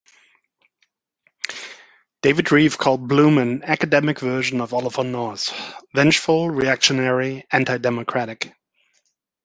David Rieff called Bloom "an academic version of Oliver North: vengeful, reactionary, antidemocratic".